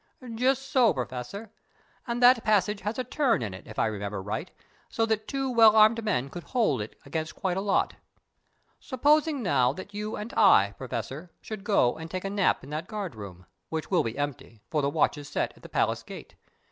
"Just so, Professor, and that passage has a turn in it, if I remember right, so that two well armed men could hold it against quite a lot. Supposing now that you and I, Professor, should go and take a nap in that guard room, which will be empty, for the watch is set at the palace gate.